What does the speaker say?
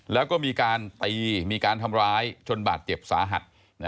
แล้วก็มีการตีมีการทำร้ายจนบาดเจ็บสาหัส